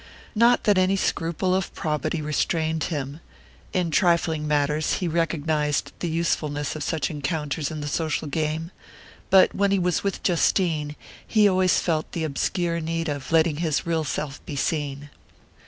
Not that any scruple of probity restrained him: in trifling matters he recognized the usefulness of such counters in the social game; but when he was with Justine he always felt the obscure need of letting his real self be seen.